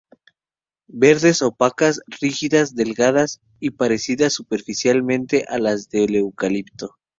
Verdes, opacas, rígidas, delgadas y parecidas superficialmente a las del eucalipto.